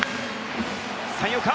三遊間。